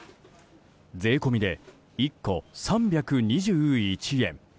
税込みで１個３２１円。